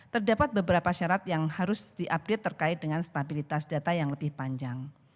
terdapat beberapa syarat yang harus diupdate terkait dengan stabilitas data yang lebih panjang